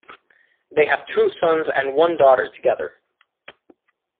They have two sons and one daughter together.